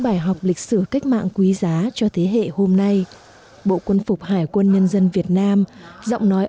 bài học lịch sử cách mạng quý giá cho thế hệ hôm nay bộ quân phục hải quân nhân dân việt nam giọng nói